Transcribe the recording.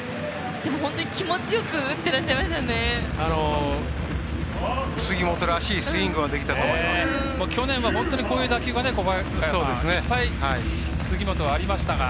本当に気持ちよく打ってらっしゃいましたね。